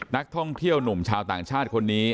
นักท่องเที่ยวหนุ่มชาวต่างชาติคนนี้